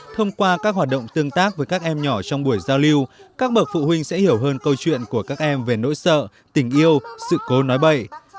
thông qua các hoạt động tương tác với các em nhỏ trong buổi giao lưu các bậc phụ huynh sẽ hiểu hơn câu chuyện của các em về nỗi sợ tình yêu sự cố nói bậy